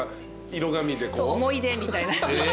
そう思い出みたいな。